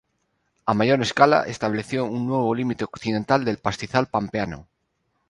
A mayor escala, estableció un nuevo límite occidental del pastizal pampeano.